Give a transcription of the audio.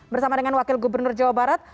bersama dengan wakil gubernur jawa barat